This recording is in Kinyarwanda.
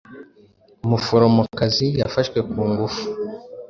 umuforomo kazi yafashwe kungufu